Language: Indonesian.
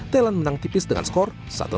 thailand menang tipis dengan skor satu satu